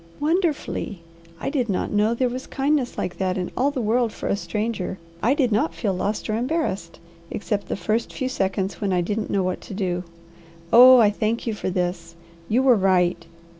"Wonderfully! I did not know there was kindness like that in all the world for a stranger. I did not feel lost or embarrassed, except the first few seconds when I didn't know what to do. Oh I thank you for this! You were right.